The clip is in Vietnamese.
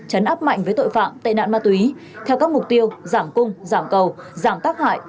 chấn áp mạnh với tội phạm tệ nạn ma túy theo các mục tiêu giảm cung giảm cầu giảm tác hại